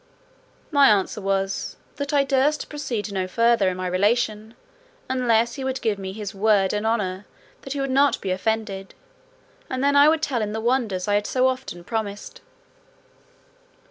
My answer was, "that I durst proceed no further in my relation, unless he would give me his word and honour that he would not be offended, and then I would tell him the wonders I had so often promised."